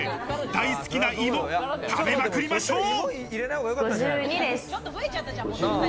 大好きな芋、食べまくりましょう。